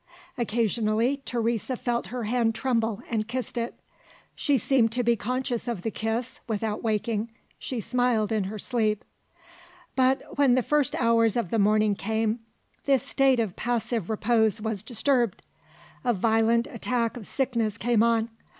Occasionally, Teresa felt her hand tremble and kissed it. She seemed to be conscious of the kiss, without waking she smiled in her sleep. But, when the first hours of the morning came, this state of passive repose was disturbed. A violent attack of sickness came on.